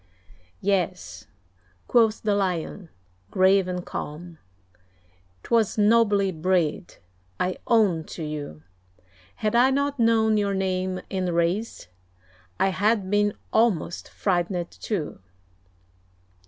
"Yes," quoth the Lion, grave and calm, "'Twas nobly brayed; I own to you, Had I not known your name and race, I had been almost frightened too!"